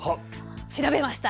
調べました。